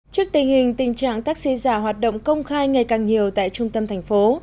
trước tình hình tình trạng taxi giả hoạt động công khai ngày càng nhiều tại trung tâm thành phố